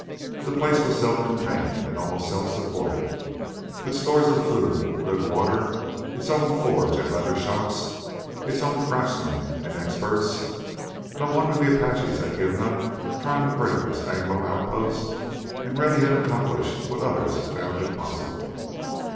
The place was self contained and almost self supporting, with stores of food, good water, its own forge and leather shop, its own craftsmen and experts. No wonder the Apaches had given up trying to break this Anglo outpost and Rennie had accomplished what others found impossible.